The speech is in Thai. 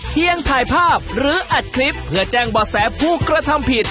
ถ่ายภาพหรืออัดคลิปเพื่อแจ้งบ่อแสผู้กระทำผิด